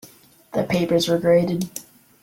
The papers were graded.